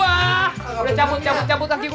udah cabut cabut cabut kaki gua